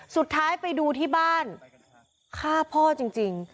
สุดท้ายไปดูที่บ้านฆ่าพ่อจริง